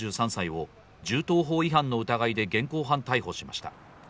４３歳を銃刀法違反の疑いで現行犯逮捕しました。